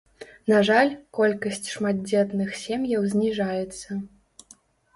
На жаль, колькасць шматдзетных сем'яў зніжаецца.